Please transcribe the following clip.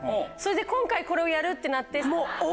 今回これをやるってなって。